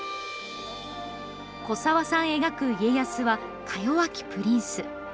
古沢さん描く家康はかよわきプリンス。